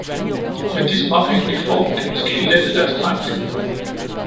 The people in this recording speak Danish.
Men de småpenge, de får, kan måske lette deres trængsler.